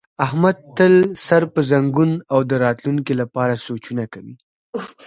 احمد تل سر په زنګون او د راتونکي لپاره سوچونه کوي.